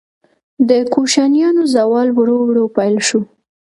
د کوشانیانو زوال ورو ورو پیل شو